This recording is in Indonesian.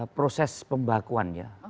proses pembakuan ya